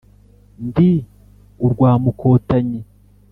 Ndi urwa Mukotanyi.